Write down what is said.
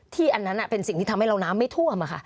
อันนั้นเป็นสิ่งที่ทำให้เราน้ำไม่ท่วม